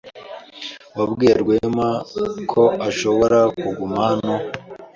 Wabwiye Rwema ko ashobora kuguma hano?